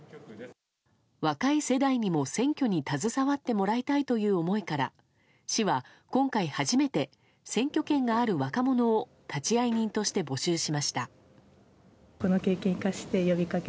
若い世代にも選挙に携わってもらいたいという思いから市は今回初めて選挙権がある若者を立会人として募集しました。